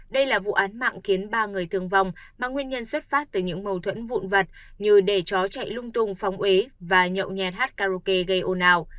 đây là vụ án mạng khiến ba người thương vong mà nguyên nhân xuất phát từ những mâu thuẫn vụn vật như để chó chạy lung tung phóng ế và nhậu nhẹt karaoke gây ồn ào